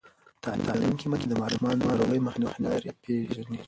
تعلیم لرونکې میندې د ماشومانو د ناروغۍ مخنیوي لارې پېژني.